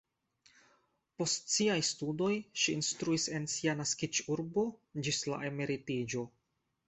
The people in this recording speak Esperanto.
Post siaj studoj ŝi instruis en sia naskiĝurbo ĝis la emeritiĝo.